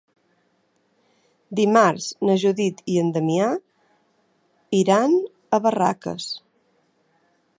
Dimarts na Judit i en Damià iran a Barraques.